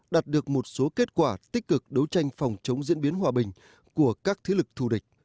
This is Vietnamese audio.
đạt được một số kết quả tích cực đấu tranh phòng chống diễn biến hòa bình của các thế lực thù địch